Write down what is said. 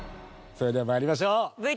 それでは参りましょう。